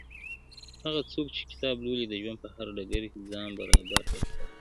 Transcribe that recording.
هغه څوک چي کتاب لولي د ژوند په هر ډګر کي ځان برابري احساسوي -